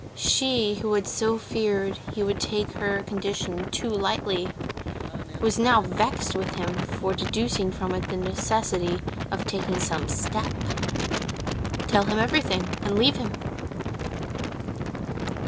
She who had so feared he would take her condition too lightly was now vexed with him for deducing from it the necessity of taking some step. "Tell him everything, and leave him."